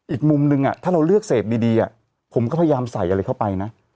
อีกมุมนึงถ้าเราเลือกเสพดีผมก็พยายามใส่อะไรเข้าไปนะ